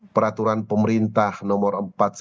peraturan pemerintah nomor empat